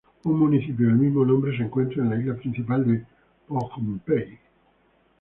Un municipio del mismo nombre se encuentra en la isla principal de Pohnpei.